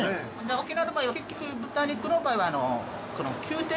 沖縄の場合は結局豚肉の場合は。